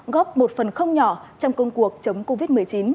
góp một phần không nhỏ trong công cuộc chống covid một mươi chín